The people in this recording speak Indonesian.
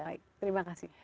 baik terima kasih